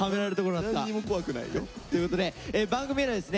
何も怖くないよ。ということで番組ではですね